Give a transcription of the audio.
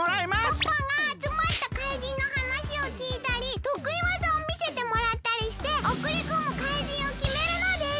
パパがあつまった怪人のはなしをきいたりとくいわざをみせてもらったりしておくりこむ怪人をきめるのです。